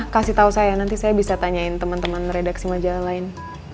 kasih tahu saya nanti saya bisa tanyain teman teman redaksi majalah lain